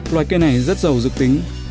loài cây này rất giàu dược tính